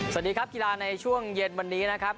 สวัสดีครับกีฬาในช่วงเย็นวันนี้นะครับ